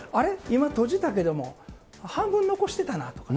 今、閉じたけれども、半分残してたなとか。